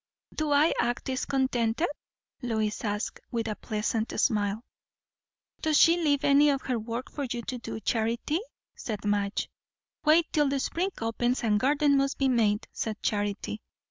"Do I act discontented?" Lois asked, with a pleasant smile. "Does she leave any of her work for you to do, Charity?" said Madge. "Wait till the spring opens and garden must be made," said Charity.